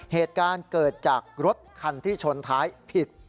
เหตุการณ์เกิดจากรถคันที่ชนท้ายผิด